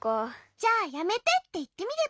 じゃあやめてっていってみれば？